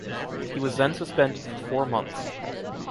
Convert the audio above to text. He was then suspended for four months.